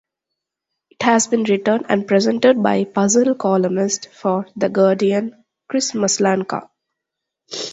It has been written and presented by puzzle columnist for "The Guardian", Chris Maslanka.